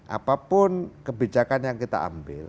apapun kebijakan yang kita ambil